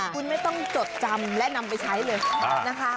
คุณไม่ต้องจดจำและนำไปใช้เลยนะคะ